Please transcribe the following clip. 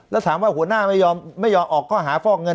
แล้วถามว่าหัวหน้าไม่ยอมไม่ยอมออกข้อหาฟอกเงิน